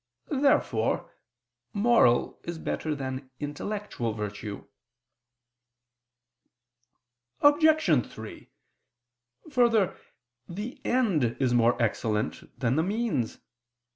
Therefore moral is better than intellectual virtue. Obj. 3: Further, the end is more excellent than the means.